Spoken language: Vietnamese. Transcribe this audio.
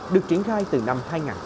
được triển khai từ năm hai nghìn hai